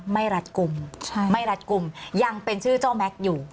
รัดกลุ่มไม่รัดกลุ่มยังเป็นชื่อเจ้าแม็กซ์อยู่